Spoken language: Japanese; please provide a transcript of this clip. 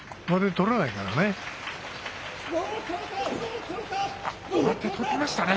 取れないからね。